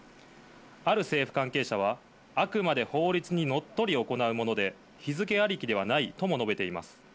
ある政府関係者は、あくまで法律にのっとり行うもので、日付ありきではないとも述べています。